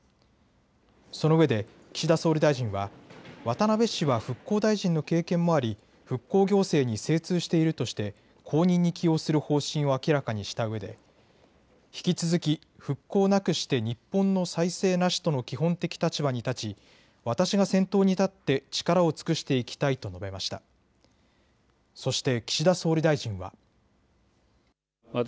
そのうえで岸田総理大臣は渡辺氏は復興大臣の経験もあり復興行政に精通しているとして後任に起用する方針を明らかにしたうえで引き続き復興なくして日本の再生なしとの基本的立場に立ち、私が先頭に立って力を尽くしていきたいと述べました。